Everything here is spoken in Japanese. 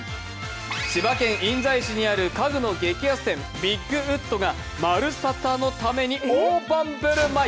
千葉県印西市にある家具の激安店、ビッグウッドが「まるサタ」のために大盤振る舞い。